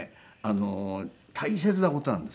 大切な事なんですね。